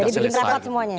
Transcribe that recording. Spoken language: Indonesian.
jadi bikin rapat semuanya